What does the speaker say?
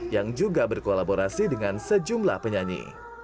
yang juga berkolaborasi dengan sejumlah penyanyi